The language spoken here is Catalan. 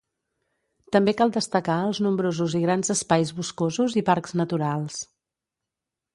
També cal destacar els nombrosos i grans espais boscosos i parcs naturals.